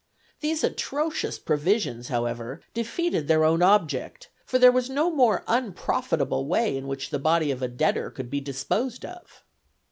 These atrocious provisions, however, defeated their own object, for there was no more unprofitable way in which the body of a debtor could be disposed of.